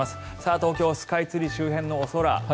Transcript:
東京スカイツリー周辺のお空。